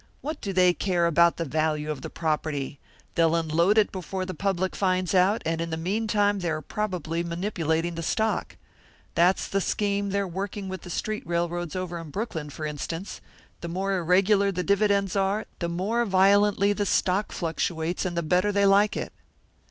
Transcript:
"What do they care about the value of the property? They'll unload it before the public finds out; and in the meantime they are probably manipulating the stock. That's the scheme they're working with the street railroads over in Brooklyn, for instance; the more irregular the dividends are, the more violently the stock fluctuates, and the better they like it."